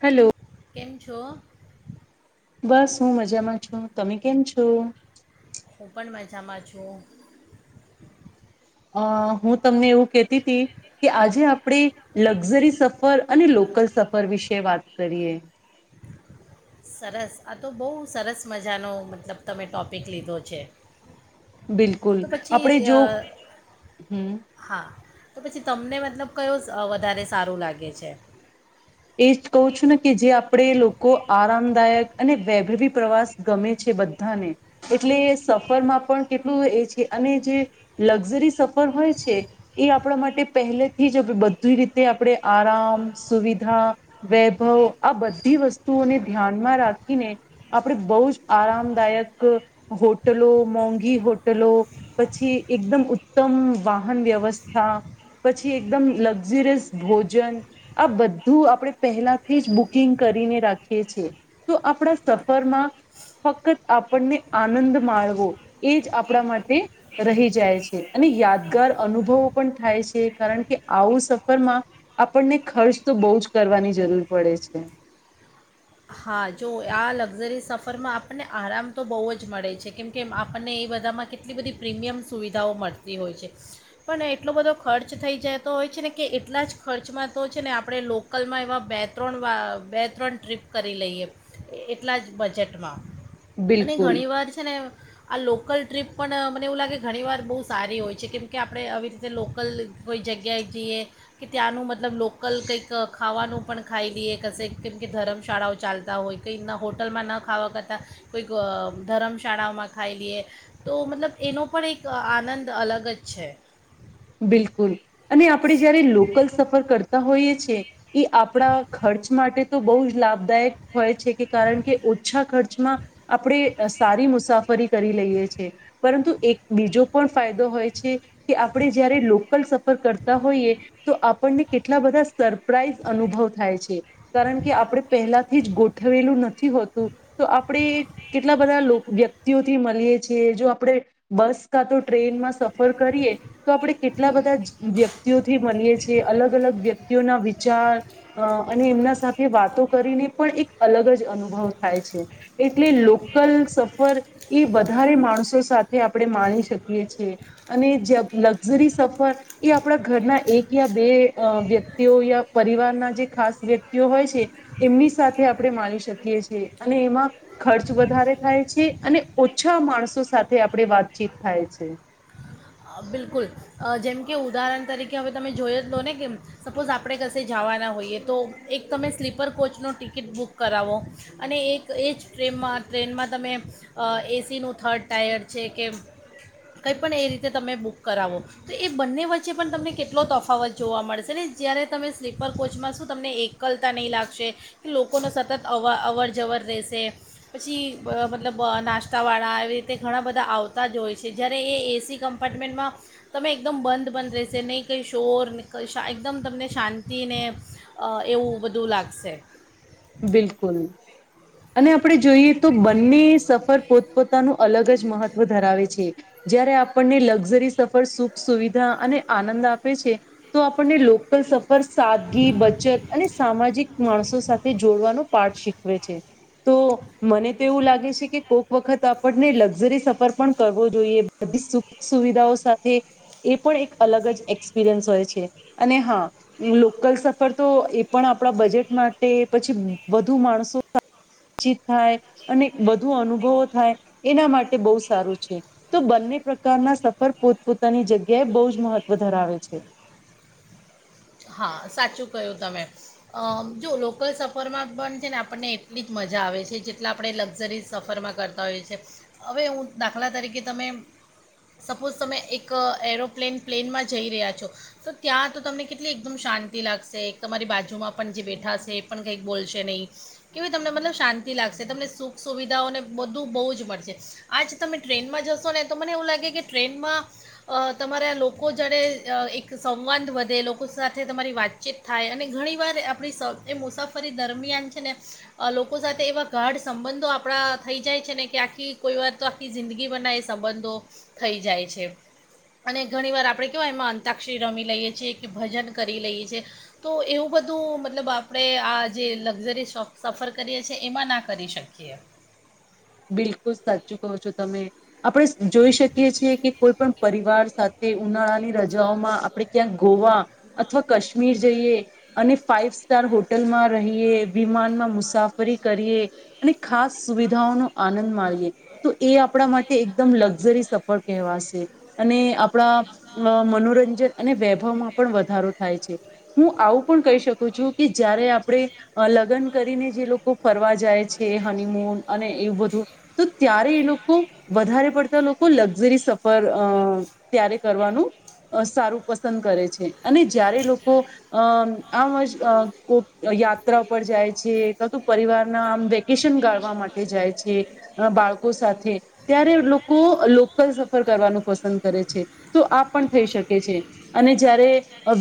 Hello! કેમ છો? બસ હું મજામાં છું. તમે કેમ છો? હું પણ મજામાં છું. અ હું તમને એવું કેહતી હતી કે આજે આપણેે લક્ઝરી સફર અને લોકલ સફર વિશે વાત કરીએ. સરસ આ તો બોઉ સરસ મજાનો મતલબ તમે ટોપિક લીધો છે. બિલકુલ તો આપણે પછી અ, જો હમ હા તો પછી તમને મતલબ કયો વધારે સારું લાગે છે? એ જ કહું છું ને કે જે આપણે લોકો આરામદાયક અને વૈભરવી પ્રવાસ ગમે છે બધાને. એટલે સફરમાં પણ કેટલું એ છે અને જે લક્ઝરી સફર હોય છે એ આપણા માટે પહેલેથી જ બધીય રીતે આપણે આરામ, સુવિધા વૈભવ આ બધી વસ્તુઓને ધ્યાનમાં રાખીને આપણે બોઉ જ આરામદાયક હોટલો મોંઘી હોટલો પછી એકદમ ઉત્તમ વાહન વ્યવસ્થા પછી એકદમ લક્ઝરિયસ ભોજન આ બ ધુ આપણે પહેલાથી જ બુકિંગ કરીને રાખીએ છીએ. તો આપણા સફરમાં ફક્ત આપણને આનંદ માણવો એ જ આપણા માટે રહી જાય છે. અને યાદગાર અનુભવો પણ થાય છે. કારણ કે આવું સફરમાં આપણને ખર્ચ તો બોઉ જ કરવાની જરૂર પડે છે. હા જો આ લક્ઝરી સફરમાં આપણને આરામ તો બોઓ જ મળે છે. કેમ કેમ આપણને એ બધામાં કેટલી બધી પ્રીમિયમ સુવિધાઓ મળતી હોય છે. પણ એટલો બધો ખર્ચ થઈ જતો હોય છે ને કે એટલા જ ખર્ચમાં તો છે ને આપણે લોકો અક્કલમાં એવા બે ત્રણ વા બે ત્રણ ટ્રીપ કરી લઈએ એટલા જ બજેટમાં. અને બિલકુલ ઘણી વાર છે ને આ લોકલ ટ્રીપ પણ મને એવું લાગે ઘણીવાર બોઉ સારી હોય છે. કેમકે આપણે આવી રીતે લોકલ કોઈ જગ્યાએ જઈએ. કે ત્યાંનું મતલબ લોકલ કંઈક ખાવાનું પણ ખાઈ લઈએ કશે કેમ કે ધરમ શાળાઓ ચાલતા હોય કંઈ ના હોટલમાં ન ખાવા કરતાં કોઈક ધર્મશાળામાં ખાઈ લઈએ. તો મતલબ એનો પણ એક આનંદ અલગ જ છે. બિલકુલ અને આપણે જયારે લોકલ સફર કરતા હોઈએ છે એ આપણા ખર્ચ માટે તો બોઉ જ લાભદાયક હોય છે કે કારણ કે ઓછા ખર્ચમાં આપણે સારી મુસાફરી કરી લઈએ છે. પરંતુ એક બીજો પણ ફાયદો હોય છે. કે આપણે જયારે લોકલ સફર કરતા હોઈએ તો આપણને કેટલા બધા સરપ્રાાઈઝ અનુભવ થાય છે કારણ કે આપણે પહેલાથી જ ગોઠવેલું નથી હોતું તો આપણે કેટલા બધા વ્યક્તિઓથી મળીએ છ છેીએ જો આપણેે બસ કા તો ટ્રેનમાં સફર કરીએ તો આપણે કેટલા બધા વ્યક્તિઓથી માનીએ છીએ અલગ અલગ વ્યક્તિઓના વિચાર અ અને એમના સાથે વાતો કરીને પણ એક અલગ જ અનુભવ થાય છે એટલે લોકલ સફર એ વધારે માણસો સાથે આપણે માણી શકીએ છીએ અને જરી સફર એ આપણા ઘરના એક યા બે વ્યક્તિઓ યા પરિવારના જે ખાસ વ્યક્તિઓ હોય છે એમની સાથે આપણે માણી શકીએ છીએ અને એમાં ખર્ચ વધારે થાય છે અને ઓછા માણસો સાથે આપણે વાતચીત થાય છે અ, બિલકુલ જેમ કે ઉદાહરણ તરીકે હવે તમે જોઈ જ લો ને કે સપોઝ આપણે કસે જવાના હોઈએ તો એક તમે સ્લીપર કોચનો ટિકિટ બુક કરાવો અને એક એ જ ટ્રેનમાં ટ્રેનમાં તમે અ એસી નું થર્ડ ટાયર છે કે કંઈ પણ એ રીતે તમે બુક કરાવો તો એ બંને વચ્ચે પણ તમને કેટલો તફાવત જોવા મળશે ને જ્યારે તમે સ્લીપર કોચમાં શું તમને એક કલતા નહીં લાગશે કે લોકોનો સતત અવ અવર જવર રહેશે પછી મતલબ નાસ્તાવાળા આવી રીતે ઘણા બધા આવતા જ હોય છે જ્યારે એ એસી કમ્પાર્ટમેન્ટમાં તમે એકદમ બંધ પણંધ રહેશે નહીં કંઈ શોરા એકદમ તમને શાંતિને અ એવું બધું લાગશે બિલકુલ અને આપણે જોઈએ તો બંને સફર પોતપોતાનું અલગ જ મહત્વ ધરાવે છે જયારે આપણને લક્ઝરી સફર સુખ સુવિધા અને આનંદ આપે છે તો આપણને લોકલ સફર સાદગી બચત અને સામાજિક માણસો સાથે પાઠ શીખવે છે તો મને તો એવું લાગે છે કે કોઈક વખત આપણને લક્ઝરી સફર પણ કરવો જોઈએ બધી સુવિધાઓ સાથે એ પણ એક અલગ જ એક્સપિરિયન્સ હોય છે અને હા લોકલ સફર તો એ પણ આપણા બજેટ માટે પછી વધુ માણસો થાય અને વધુ અનુભવો થાય એના માટે બહુ સારું છે તો બંને પ્રકારના સફર પોતપોતાની જગ્યાએ બહુ જ મહત્વ ધરાવે છે હા સાચું ક્યું તમે જો લોકલ સફરમાં પણ છે ને આપણને એટલી જ મજા આવે છે જેટલા આપણે લક્ઝરીઝ સફરમાં કરતા હોય છે હવે હું દાખલા તરીકે તમે સપોઝ તમે એક એરોપ્લેન પ્લેનમાં જઈ રહ્યા છો તો ત્યાં તો તમને એટલી એકદમ શાંતિ લાગશે એક તમારી બાજુમાં પણ જે બેઠા હશે એ પણ કંઈક બોલશે નહીં કેવી તમને મતલબ શાંતિ લાગશે તમને સુખ સુવિધાઓને બધું બહુ જ મળશે આજ તમે ટ્રેનમાં જશો ને તો મને એવું લાગે કે ટ્રેનમાં અ તમારા લોકો જણે એક સંવાદ વધે લોકો સાથે તમારી વાતચીત થાય અને ઘણીવાર આપણી સ એ મુસાફરી દરમિયાન છે ને લોકો સાથે એવા ગાઢ સંબંધો આપણા થઈ જાય છે ને કે આખી કોઈ વાર તો આખી જિંદગી બના એ સંબંધો થઈ જાય છે અને ઘણી વાર આપણે કેવાય, એમાં અંતાક્ષરી રમી લઈએ છીએ કે, ભજન કરી લઈએ છીએ. તો એવું બધું, મતલબ આપણે આ જે લક્ઝરી સફર કરીએ છીએ, એમાં ના કરી શકીએ. બિલકુલ, સાચું કહો છો, તમે આપણે જોઈ શકીએ છીએ કે, કોઈ પણ પરિવાર સાથે ઉનાળાની રજાઓમાં આપણે ક્યાંક ગોવા અથવા કાશ્મીર જઈએ. અને ફાાઈવ સ્ટાર હોટલમાં રહીએ, વિમાનમાં મુસાફરી કરીએ. અને ખાસ સુવિધાઓનો આનંદ માણીએ તો, એ આપણા માટે એકદમ લક્ઝરી સફર કવાશે, અને આપણા અ મનોરંજન અને વૈભવમાં પણ વધારો થાય છે. હું આવું પણ કહી શકું છું કે, જ્યારે આપણે અ લગ્ન કરીને જે લોકો ફરવા જાય છે, હનીમૂન અને એવું બધું. તો ત્યારે એ લોકો વધારે પડતા લોકો, લક્ઝરી સફર અ ત્યારે કરવાનું સારું પસંદ કરે છે, અને જ્યારે લોકો અમ આમ કોક યાત્રા પર જાય છે, ક તું પરિવારના આમ વ્યક્તિ વેકેશન ગાળવા માટે જાય છે બાળકો સાથે. ત્યારે લોકો લોકલ સફર કરવાનું પસંદ કરે છે, તો આ પણ થઈ શકે છે. અને જયારે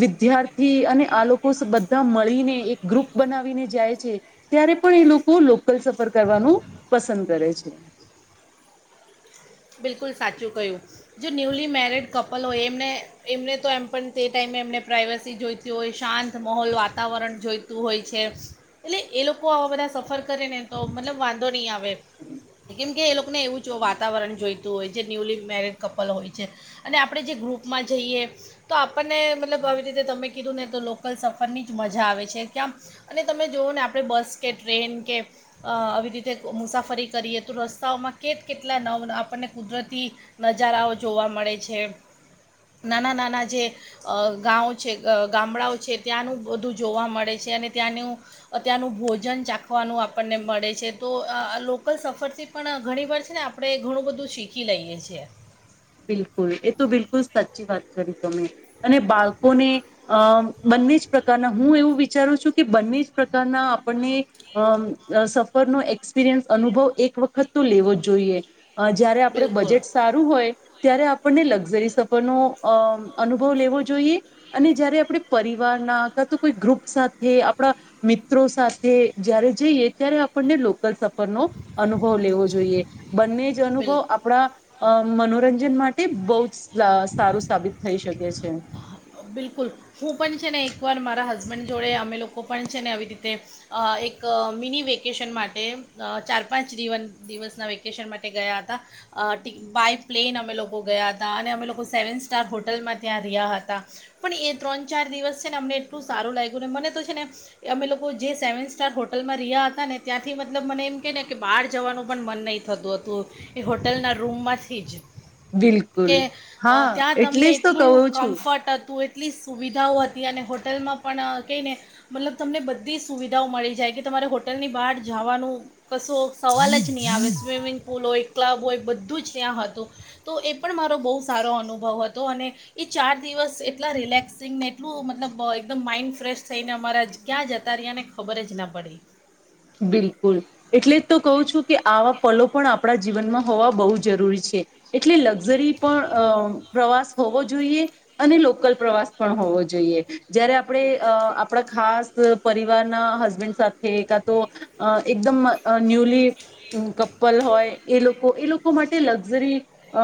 વિદ્યાર્થી અને આ લોકો બધા મળીને, એક ગ્રુપ બનાવીને જાય છે. ત્યારે પણ એ લોકો લોકલ સફર કરવાનું. પસંદ કરે છે. બિલકુલ સાચું કહ્યું, જે ન્યૂલી મેરિડ કપલ હોય એમને. એમને તો એમ પણ તે ટાઈમે એમને પ્રાઇવસી જોઈતી હોય, શાંત માહોલ વાતાવરણ જોઈ. હોય છે, એટલે એ લોકો આવા બધા સફર કરે ને તો મતલબ વાંધો નહીં આવે. કેમ કે એ લોકો ને, એવું જો વાતાવરણ જોઈએ. હોય, જે ન્યૂલી મેરિડ કપલ હોય છે, અને આપણે જે ગ્રુપમાં જઈએ. તો આપણને મતલબ આવી રીતે તમે કીધું ને, તો લોકલ સફરની જ મજા આવે છે, કેમ અને તમે જોઓ ને, આપણે બસ કે, ટ્રેન કે. આવી રીતે મુસાફરી કરીએ, તો રસ્તાઓમાં કે કેટલા ન આપણને કુદરતી નજારાઓ જોવા મળે છે, નાના-નાના જે અ ગામ છે, ગામડાઓ છે, ત્યાંનું બધું જોવા મળે છે, અને ત્યાંનું અ ત્યાંનું ભોજન ચાખવાનું આપણને મળે છે, તો લોકલ સફરથી પણ ઘણી વાર છે ને, આપણે ઘણું બધું શીખી લઈએ છીએ. બિલકુલ, એ તો બિલકુલ સાચી વાત કરી તમે, અને બાળકોને અ બંને જ પ્રકારના, હું એવું વિચારું છું કે, બંને જ પ્રકારના આપણને અમ, સફરનો એક્સપિરિયન્સ અનુભવ એક વખત તો લેવો જ જોઈએ. અ, જયારે આપડે બિલકુલ બજેટ સારું હોય ત્યારે આપણને લક્ઝરી સફરનો અ અનુભવ લેવો જોઈએ. અને જયારે આપણે પરિવારના કા તો કોઈ ગ્રુપ સાથે આપણા મિત્રો, સાથે જ્યારે જઈએ, ત્યારે આપણને લોકલ. અનુભવ લેવો જોઈએ, બંને જ અનુભવ બિલકુલ આપણા મનોરંજન. માટે બહુ જ સારું સાબિત થઈ શકે છે. બિલકુલ, હું પણ છે ને એકવાર મારા હસબન્ડ જોડે અમે લોકો પણ છે ને, આવી રીતે એક મિની વેકેશન માટે ચાર-પાંચ દિવસના વેકેશન માટે ગયા હતા. બાય પ્લેન અમે લોકો ગયા હતા. અને અમે લોકો સેવન સ્ટાર હોટલમાં ત્યાં રહ્યા હતા. પણ એ ત્રણ-ચાર દિવસ છે ને, અમને એટલું સારું લાગ્યું ને, મને તો છે ને. અમે લોકો જે સેવન સ્ટાર હોટલમાં રહ્યા હતા ને, ત્યાંથી મતલબ, મને એમ કે ને કે, બહાર જવાનું પણ મન નહીં થતું હતું, એ હોટલના રૂમમાંથી જ બિલકુલ કે હા ત્યાં એટલે તમને જ તો એટલું કહું છું કમ્ફર્ટ. તો એટલી સુવિધાઓ હતી, અને હોટલમાં પણ કંઈને મતલબ, તમને બધી સુવિધાઓ મળી જાય કે, તમારે હોટલની બહાર જવાનું. કશો સવાલ જ નહીં આવે, સ્વિમિંગ પુલ હોય, ક્લબ હોય, બધું જ ત્યાં હતું. તો એ પણ મારો બહુ સારો અનુભવ હતો. અને એ ચાર દિવસ એટલા રિલેક્સિંગને એટલું મતલબ એકદમ માઇન્ડ ફ્રેશ થઈને અમારા ક્યાં, જતા રહ્યાને ખબર જ ના પડી બિલકુલ એટલે જ તો કહું છું કે આવા પલો પણ આપણા જીવનમાં હોવા બહુ જરૂરી છે. એટલે લક્ઝરી પણ અ પ્રવાસ હોવો જોઈએ. અને લોકલ પ્રવાસ પણ હોવો જોઈએ. જયારે આપણે આપણા ખાસ પરિવારના હસબેન્ડ સાથે તો એકદમ ન્યુલી કપ્પલ હોય એ લોકો એ લોકો માટે લક્ઝરી અ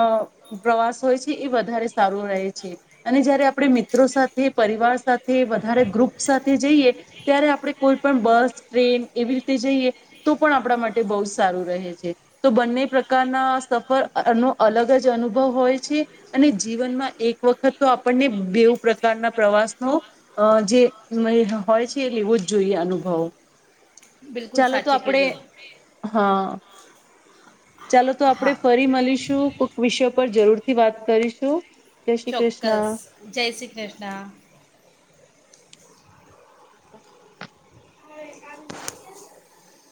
પ્રવાસ હોય છે એ વધારે સારું રહે છે અને જયારે આપણે મિત્રો સાથે પરિવાર સાથે વધારે ગ્રુપ સાથે જઈએ ત્યારે આપણે કોઈ પણ બસ ટ્રેન એવી રીતે જઈએ તો પણ આપણા માટે બહુ સારું રહે છે તો બંને પ્રકારના સફરનો અલગ જ અનુભવ હોય છે અને જીવનમાં એક વખત તો આપણને બેવ પ્રકારના પ્રવાસનો અ જે હોય છે એ લેવો જ જોઈએ અનુભવો બિલકુલ ચાલો તો સાચી આપડે કીધું હા ચાલો તો હા આપણેે ફરી મલીશું કોક વિષય પર જરૂર થી વાત કરીશું જય શ્રી ચોક્કસ કૃષ્ણ જય શ્રી કૃષ્ણ [unintelligible]